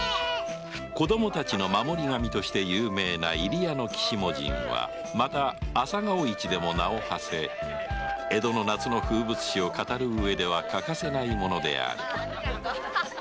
子供たちの守り神として有名な入谷の鬼子母神はまた朝顔市でも名を馳せ江戸の夏の風物詩を語るうえでは欠かせないものである